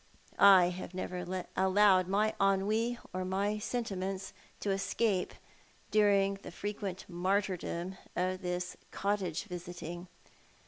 I have never allowed my ennui or my sentiments to escape during the frequent martyrdom of this cottage visiting.